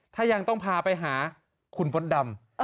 ถ้ายังต้องพาไปหาคุณมดดำ